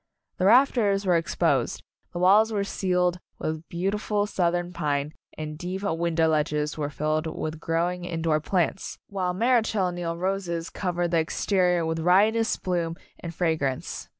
The rafters were ex posed, the walls were ceiled with beauti ful Southern pine and the deep window ledges were filled with growing, indoor plants, while Marechal Neil roses cov ered the exterior with riotous bloom and fragrance.